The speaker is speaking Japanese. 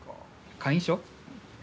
会員証？